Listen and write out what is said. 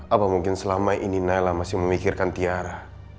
apa mungkin selama ini naila masih memikirkan tiara